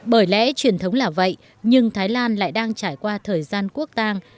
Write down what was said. bởi lẽ truyền thống là vậy nhưng thái lan lại đang trải qua thời gian quốc tang